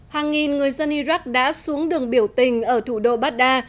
hàng nghìn người dân iraq đã xuống đường biểu tình ở thủ đô baghdad